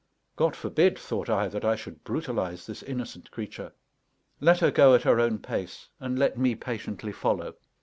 God forbid, thought I, that I should brutalize this innocent creature; let her go at her own pace, and let me patiently follow.